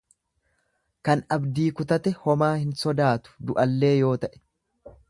Kan abdii kutate homaa hin sodaatu, du'allee yoo ta'e.